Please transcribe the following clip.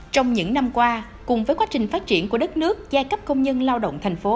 trong những năm qua cùng với quá trình phát triển của đất nước giai cấp công nhân lao động thành phố